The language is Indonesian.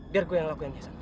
biar gue yang lakuin ya